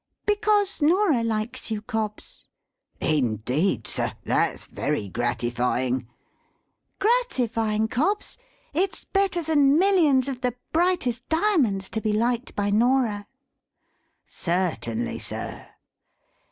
"Because Norah likes you, Cobbs." "Indeed, sir? That's very gratifying." "Gratifying, Cobbs? It's better than millions of the brightest diamonds to be liked by Norah." "Certainly, sir."